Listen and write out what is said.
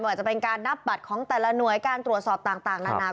ว่าจะเป็นการนับบัตรของแต่ละหน่วยการตรวจสอบต่างนานา